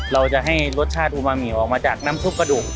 เราจะให้รสชาติปูบาหมี่ออกมาจากน้ำซุปกระดูก